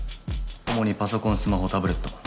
主にパソコンスマホタブレット。